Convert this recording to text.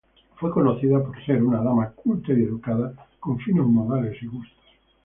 Fue conocida por ser una dama culta y educada, con finos modales y gustos.